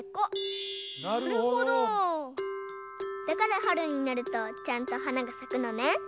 だからはるになるとちゃんとはながさくのね。